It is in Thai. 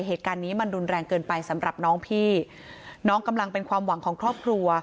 เหตุการณ์นี้มันรุนแรงเกินไปสำหรับน้องพี่น้องกำลังเป็นความหวังของครอบครัว